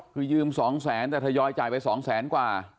คือยืม๒แสนแต่ทยอยจ่ายไป๒แสนกว่า